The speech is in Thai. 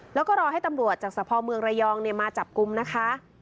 แล้วก็รอให้ตำรวจจากสะพอเมืองระยองมาจับกลุ่มนะคะ